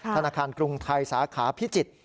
ธนาคารกรุงไทยสาขาพิจิตร